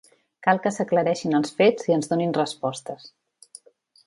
Cal que s’aclareixin els fets i ens donin respostes.